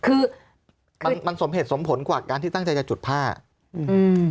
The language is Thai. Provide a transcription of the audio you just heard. คือมันมันสมเหตุสมผลกว่าการที่ตั้งใจจะจุดผ้าอืม